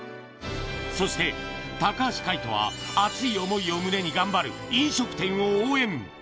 そして、高橋海人は熱い想いを胸に頑張る飲食店を応援。